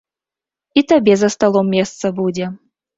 І табе за сталом месца будзе.